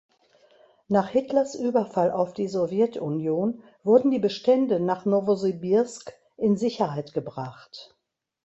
Nach Hitlers Überfall auf die Sowjetunion wurden die Bestände nach Nowosibirsk in Sicherheit gebracht.